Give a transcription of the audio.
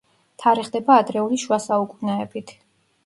თარიღდება ადრეული შუა საუკუნეებით.